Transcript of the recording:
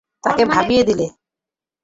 তাকে ভাবিয়ে দিলে।